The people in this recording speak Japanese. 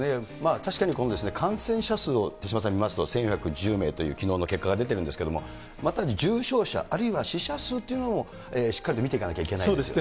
確かにこの感染者数を手嶋さん、見ますと１４１０名というきのうの結果が出ているんですけれども、また重症者、あるいは死者数というのもしっかりと見ていかなきゃいけないですそうですね。